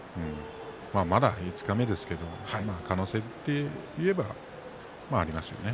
まだ五日目ですけれども可能性で言えばありますよね。